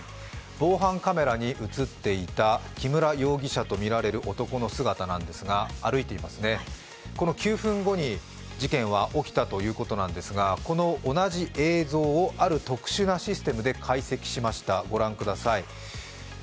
防犯カメラに映っていた木村容疑者とみられる男の姿なんですが、歩いていますね、この９分後に事件は起きたということなんですが、この同じ映像をある特殊なシステムで解析しました、ご覧ください。